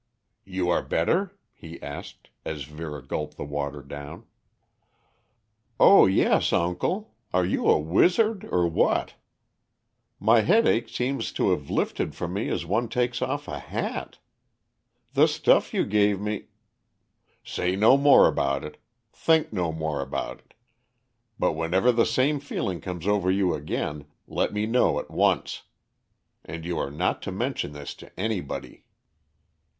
"You are better?" he asked, as Vera gulped the water down. "Oh, yes, uncle; are you a wizard or what? My headache seems to have lifted from me as one takes off a hat. The stuff you gave me " "Say no more about it; think no more about it. But whenever the same feeling comes over you again let me know at once. And you are not to mention this to anybody."